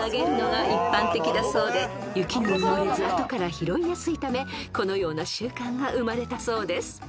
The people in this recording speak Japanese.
［のが一般的だそうで雪に埋もれず後から拾いやすいためこのような習慣が生まれたそうです］